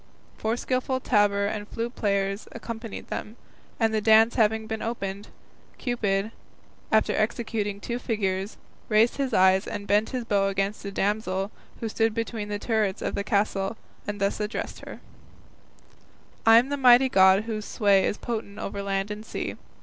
Four skillful tabor and flute players accompanied them, and the dance having been opened, Cupid, after executing two figures, raised his eyes and bent his bow against a damsel who stood between the turrets of the castle, and thus addressed her: I am the mighty God whose sway Is potent over land and sea.